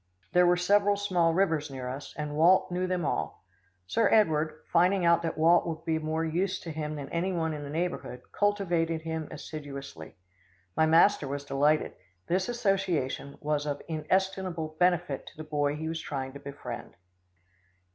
There were several small rivers near us, and Walt knew them all. Sir Edward, finding out that Walt would be of more use to him than any one in the neighbourhood, cultivated him assiduously. My master was delighted. This association was of inestimable benefit to the boy he was trying to befriend.